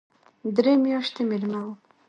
درې میاشتې مېلمه وم.